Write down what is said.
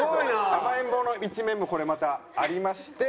甘えん坊の一面もこれまたありまして。